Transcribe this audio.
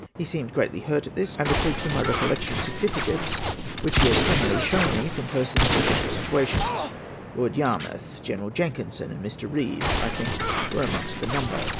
He seemed greatly hurt at this, and recalled to my recollection certificates which he had formerly shown me from persons in official situations : Lord Yarmouth, Greneral Jenkinson, and Mr. Keevesk, I think, were amongst the number.